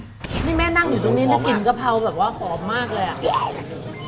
นี่แม่นั่งอยู่ตรงนี้นะกลิ่นกะเพราแบบว่าหอมมากเลยอ่ะ